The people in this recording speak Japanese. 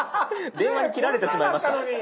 電話に切られてしまいました。